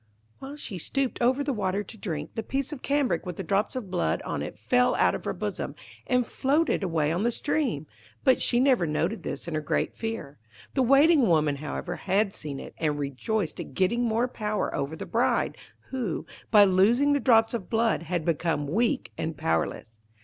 While she stooped over the water to drink, the piece of cambric with the drops of blood on it fell out of her bosom, and floated away on the stream; but she never noticed this in her great fear. The Waiting woman, however, had seen it, and rejoiced at getting more power over the bride, who, by losing the drops of blood, had become weak and powerless.